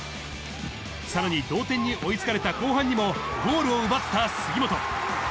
さらに、同点に追いつかれた後半にもゴールを奪ったすぎもと。